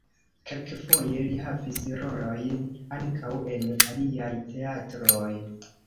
Kelkfoje li havis rolojn ankaŭ en aliaj teatroj.